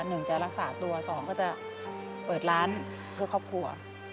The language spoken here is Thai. หนึ่งจะรักษาตัวสองก็จะเปิดร้านเพื่อครอบครัว